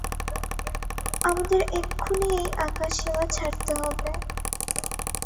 আমাদের এক্ষুণি এই আকাশসীমা ছাড়তে হবে।